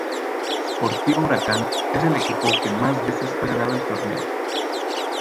Sportivo Huracán es el equipo que más veces ha ganado el Torneo.